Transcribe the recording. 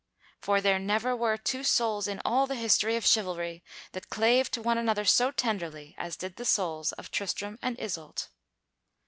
For there never were two souls in all the history of chivalry that clave to one another so tenderly as did the souls of Tristram and Isoult.